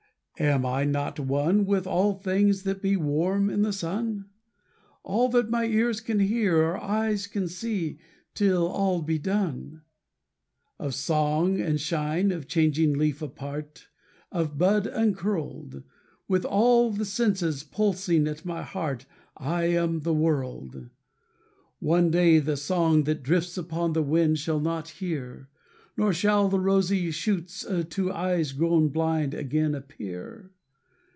Am I not one with all the things that be Warm in the sun? All that my ears can hear, or eyes can see, Till all be done. Of song and shine, of changing leaf apart, Of bud uncurled: With all the senses pulsing at my heart, I am the world. One day the song that drifts upon the wind, I shall not hear; Nor shall the rosy shoots to eyes grown blind Again appear.